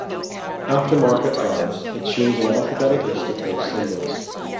After market hours it shows an alphabetic list of those symbols.